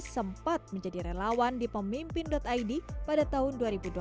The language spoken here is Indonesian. sempat menjadi relawan di pemimpin id pada tahun dua ribu dua puluh